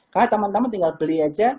karena teman teman tinggal beli aja